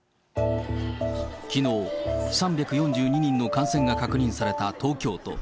きのう、３４２人の感染が確認された東京都。